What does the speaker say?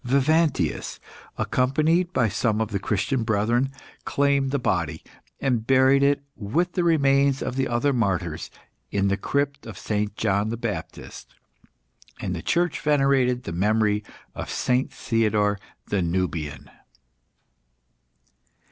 Vivantius, accompanied by some of the Christian brethren, claimed the body, and buried it with the remains of the other martyrs in the crypt of St. John the Baptist, and the Church venerated the memory of Saint Theodore the Nubian.